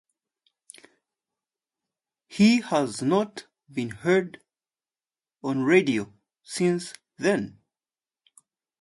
He has not been heard on radio since then.